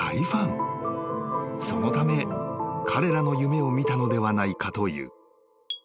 ［そのため彼らの夢を見たのではないかという］